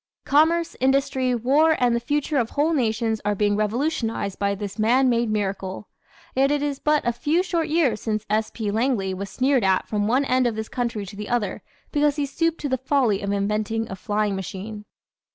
Commerce, industry, war and the future of whole nations are being revolutionized by this man made miracle. Yet it is but a few short years since S. P. Langley was sneered at from one end of this country to the other because he stooped to the "folly" of inventing a "flying machine."